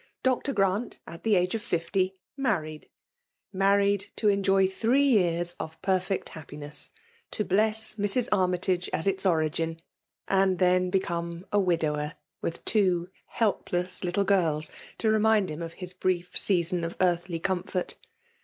Dr. Grant, at the age of fifty, mar ried ; married to enjoy three years of perfect happiness ; to bless Mrs. Armytage as its origin ; and then become a widower, with two helpless little girls to remind him of his brief season of earthly comfort.